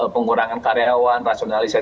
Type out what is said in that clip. pengurangan karyawan rasionalisasi